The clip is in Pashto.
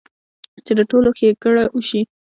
چې د ټولو ښېګړه اوشي -